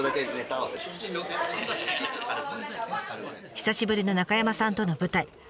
久しぶりの中山さんとの舞台。